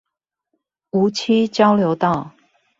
梧棲交流道